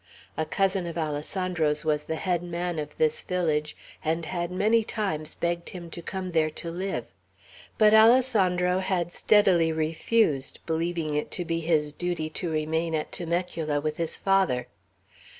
A cousin of Alessandro's was the head man of this village, and had many times begged him to come there to live; but Alessandro had steadily refused, believing it to be his duty to remain at Temecula with his father.